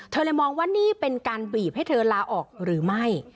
เลยมองว่านี่เป็นการบีบให้เธอลาออกหรือไม่